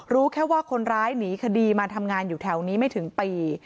รู้แค่ว่าคนร้ายหนีคดีมาทำงานอยู่แถวนี้ไม่ถึงปี